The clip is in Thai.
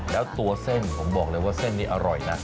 แล้วตัวเส้นผมบอกเลยว่าเส้นนี้อร่อยนะ